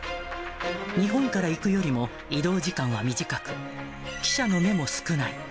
日本から行くよりも移動時間は短く、記者の目も少ない。